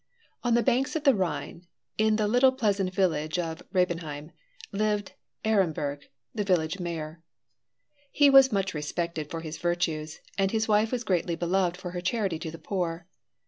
_ On the banks of the Rhine, in the pleasant little village of Rebenheim, lived Ehrenberg, the village mayor. He was much respected for his virtues, and his wife was greatly beloved for her charity to the poor.